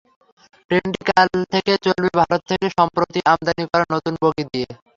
ট্রেনটি কাল থেকে চলবে ভারত থেকে সম্প্রতি আমদানি করা নতুন বগি দিয়ে।